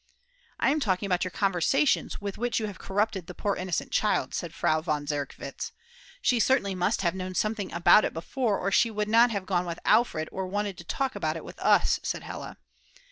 "I am talking about your conversations with which you have corrupted the poor innocent child," said Frau von Zerkwitz. "She certainly must have known something about it before, or she would not have gone with Alfred or wanted to talk about it with us," said Hella.